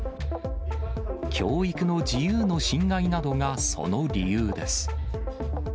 教育の自由の侵害などがその理由です。